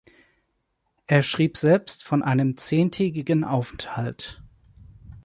Er schrieb selbst von einem zehntägigen Aufenthalt.